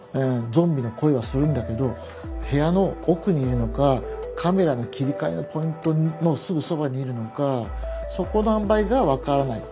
ゾンビの声はするんだけど部屋の奥にいるのかカメラの切り替えのポイントのすぐそばにいるのかそこのあんばいが分からない。